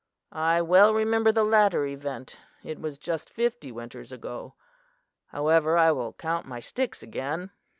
I well remember the latter event it was just fifty winters ago. However, I will count my sticks again."